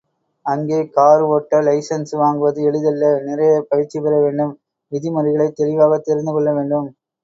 அங்கே கார் ஓட்ட லைசென்சு வாங்குவது எளிதல்ல நிறைய பயிற்சி பெறவேண்டும் விதி முறைகளைத் தெளிவாகத் தெரிந்துகொள்ள வேண்டும்.